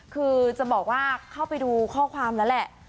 คือจะบอกว่าเข้าไปดูข้อความแล้วแหละ